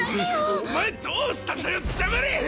お前どうしたんだよ黙れ！